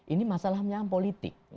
ini masalahnya politik